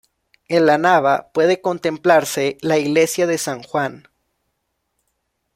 En La Nava puede contemplarse la iglesia de San Juan.